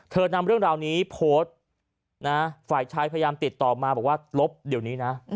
นำเรื่องราวนี้โพสต์นะฝ่ายชายพยายามติดต่อมาบอกว่าลบเดี๋ยวนี้นะ